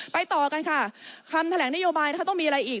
ต่อกันค่ะคำแถลงนโยบายนะคะต้องมีอะไรอีก